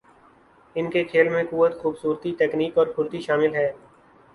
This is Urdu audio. ان کے کھیل میں قوت، خوبصورتی ، تکنیک اور پھرتی شامل ہے